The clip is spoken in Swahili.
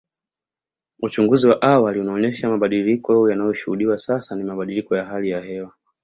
Uchunguzi wa awali unaonesha mabadiliko yanayoshuhudiwa sasa ni mabadiliko ya hali ya hewa